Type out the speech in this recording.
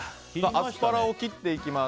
アスパラを切っていきます。